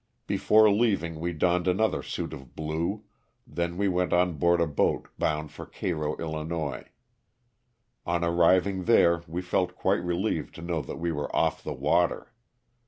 Before leaving we donned another suit of blue, then we went on board a boat bound for Cairo, 111. On arriving there we felt quite relieved to know that we were off the water.